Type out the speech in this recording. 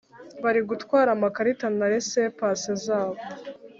bari gutwara amakarita na resepase zabo